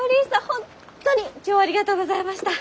本当に今日はありがとうございました！